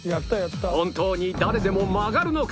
本当に誰でも曲がるのか？